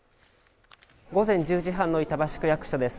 午前１０時半の板橋区役所です